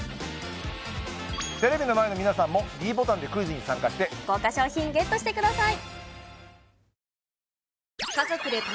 テレビの前の皆さんもｄボタンでクイズに参加して豪華賞品ＧＥＴしてください